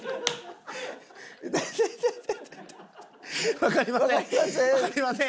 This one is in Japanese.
「わかりません」。